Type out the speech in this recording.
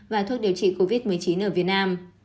và thuốc điều trị covid một mươi chín ở việt nam